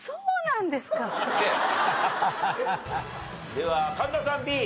では神田さんＢ。